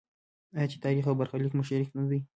آیا چې تاریخ او برخلیک مو شریک نه دی؟